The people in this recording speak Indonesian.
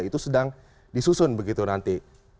itu sedang disusun begitu nanti